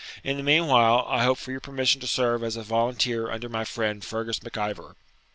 In the meanwhile, I hope for your permission to serve as a volunteer under my friend Fergus Mac Ivor.'